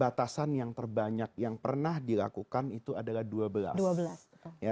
batasan yang terbanyak yang pernah dilakukan itu adalah dua rokaat batasan yang terbanyak yang pernah dilakukan itu adalah dua rokaat